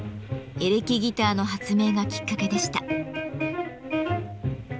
エレキギターの発明がきっかけでした。